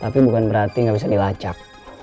tapi bukan berarti nggak bisa dilacak